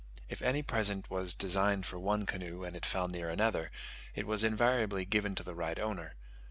If any present was designed for one canoe, and it fell near another, it was invariably given to the right owner.